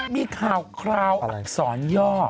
มีข่าวอักษรย่อ